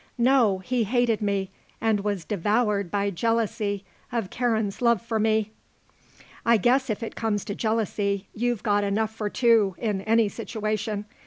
No. He hated me, and was devoured by jealousy of Karen's love for me." "I guess if it comes to jealousy you've got enough for two in any situation.